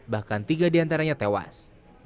bahkan tiga diantaranya tewas